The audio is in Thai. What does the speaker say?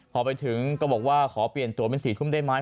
พอไปถึงก็บอกว่าขอเปลี่ยนตัวเป็น๔ทุ่มได้ไหม